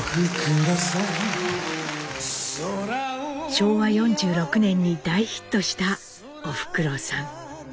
昭和４６年に大ヒットした「おふくろさん」。